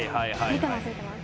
見てます。